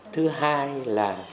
thứ hai là